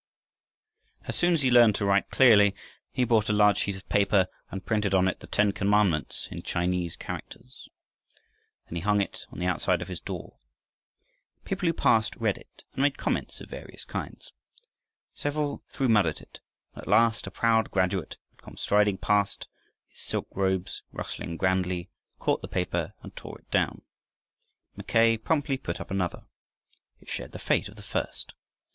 As soon as he had learned to write clearly, he bought a large sheet of paper, and printed on it the ten commandments in Chinese characters. Then he hung it on the outside of his door. People who passed read it and made comments of various kinds. Several threw mud at it, and at last a proud graduate, who came striding past his silk robes rustling grandly, caught the paper and tore it down. Mackay promptly put up another. It shared the fate of the first.